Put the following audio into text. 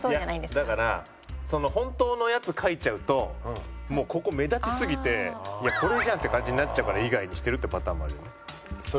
だから本当のやつ書いちゃうともうここ目立ちすぎてこれじゃんっていう感じになっちゃうから「以外」にしてるっていうパターンもあるよね。